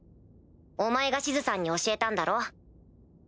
お前がシズさんに教えたんだろ？